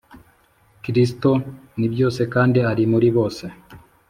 Kristo ni byose kandi ari muri bose